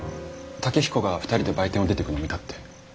健彦が２人で売店を出てくのを見たって。